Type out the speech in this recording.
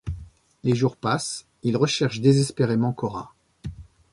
Les jours passent, il recherche désespérément Cora.